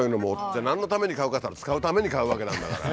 じゃあ何のために買うかっつったら使うために買うわけなんだから。